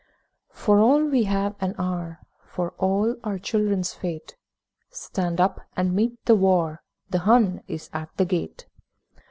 For all we have and are, For all our children's fate, Stand up and take the war, The Hun is at the gate!